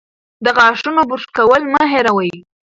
د غاښونو برس کول مه هېروئ.